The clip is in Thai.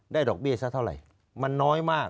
ดอกเบี้ยซะเท่าไหร่มันน้อยมาก